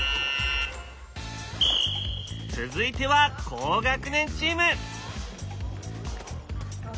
続いては高学年チーム。